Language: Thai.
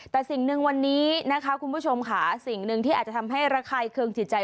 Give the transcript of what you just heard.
แต่สิ่งหนึ่งวันนี้นะคะคุณผู้ชมค่ะสิ่งหนึ่งที่อาจจะทำให้ระคายเคืองจิตใจ